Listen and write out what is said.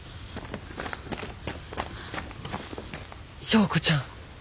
昭子ちゃん。